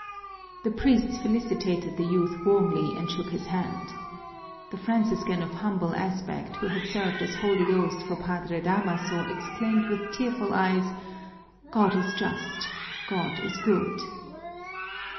The priests felicitated the youth warmly and shook his hand. The Franciscan of humble aspect who had served as holy ghost for Padre Damaso exclaimed with tearful eyes, "God is just, God is good!"